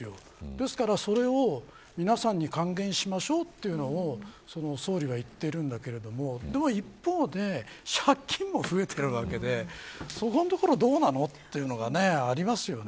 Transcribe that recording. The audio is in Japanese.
ですから、それを皆さんに還元しましょうというのを総理が言っているんだけれどもでも一方で借金も増えているわけでそこのところはどうなのというのはありますよね。